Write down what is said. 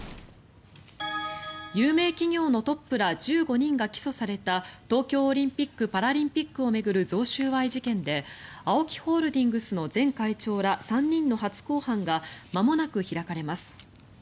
有名企業のトップら１５人が起訴された東京オリンピック・パラリンピックを巡る贈収賄事件でＡＯＫＩホールディングスの前会長ら３人の初公判がまもなく開かれます。